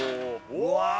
うわ！